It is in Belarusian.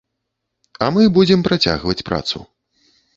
А мы будзем працягваць працу.